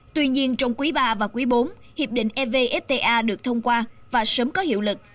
tuy nhiên trong quý iii và quý iv hiệp định evfta được thông qua và sớm có hiệu lực